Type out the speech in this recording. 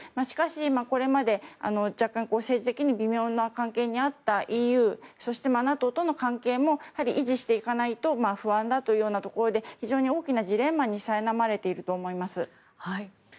しかし、これまで若干政治的に微妙な関係にあったＥＵ、そしてＮＡＴＯとの関係も維持していかないと不安だというようなところで非常に大きなジレンマにさいなまれていると思います。